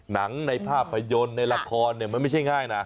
หนังในภาพยนตร์ในละครมันไม่ใช่ง่ายนะ